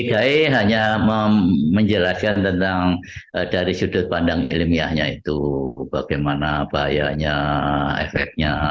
dki hanya menjelaskan tentang dari sudut pandang ilmiahnya itu bagaimana bahayanya efeknya